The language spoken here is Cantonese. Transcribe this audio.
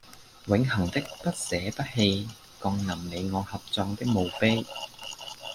永恆的不捨不棄降臨你我合葬的墓碑